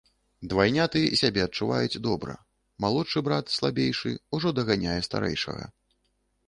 Двайняты сябе адчуваюць добра, малодшы брат, слабейшы, ужо даганяе старэйшага.